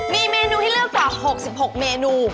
มีเมนูให้เลือกกว่า๖๖เมนู